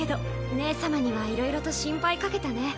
姉様にはいろいろと心配かけたね。